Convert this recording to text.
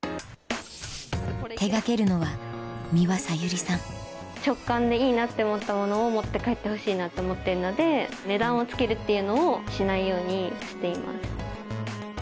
手掛けるのは直感でいいなって思ったものを持って帰ってほしいなと思ってるので値段をつけるっていうのをしないようにしています。